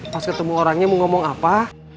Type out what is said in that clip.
pas ketemu orangnya mau ngomong apa